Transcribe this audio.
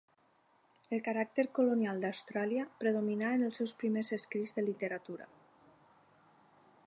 El caràcter colonial d'Austràlia predominà en els primers escrits de literatura.